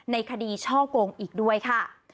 ในคดีช่อกงอีกด้วยค่ะ